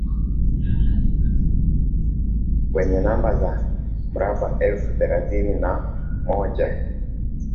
wenye namba za mraba elfu thelathini na moja